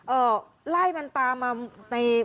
เอ่อไล่มันตามมา